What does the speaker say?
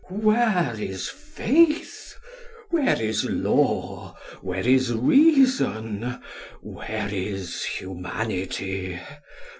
Where is faith? Where is law? Where is reason? Where is humanity?